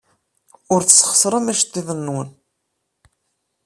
Ur tesxeṣrem iceḍḍiḍen-nwen.